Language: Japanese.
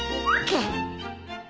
け？